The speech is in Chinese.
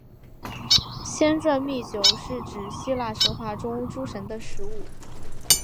仙馔密酒是指希腊神话中诸神的食物。